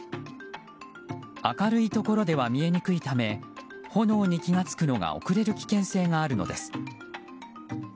明るいところでは見えにくいため炎に気が付くのが遅れる危険性があるのです。